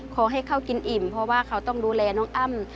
ขอให้เขากินอิ่มเพราะว่าเขาต้องดูแลน้องอ้ำ